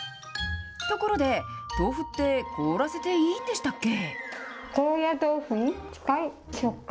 ところで、豆腐って凍らせていいんでしたっけ？